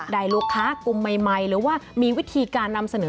ได้ลูกค้ากลุ่มใหม่หรือว่ามีวิธีการนำเสนอ